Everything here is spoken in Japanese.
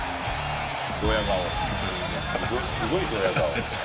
すごいドヤ顔。